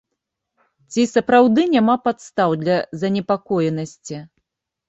Ці сапраўды няма падстаў для занепакоенасці?